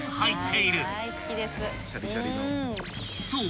［そう。